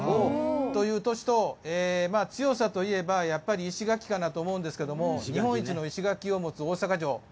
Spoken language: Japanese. という年と、強さといえばやっぱり石垣かなと思いますが日本一の石垣を持つ大阪城